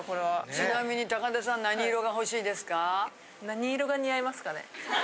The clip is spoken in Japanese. ちなみに田さん何色が欲しいですか？